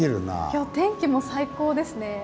今日天気も最高ですね。